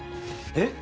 えっ！